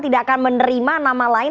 tidak akan menerima nama lain